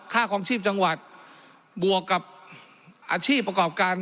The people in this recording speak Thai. ครองชีพจังหวัดบวกกับอาชีพประกอบการ